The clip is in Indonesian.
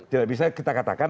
tidak bisa kita katakan